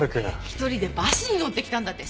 一人でバスに乗って来たんだって。